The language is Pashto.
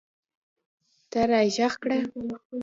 ته راږغ کړه !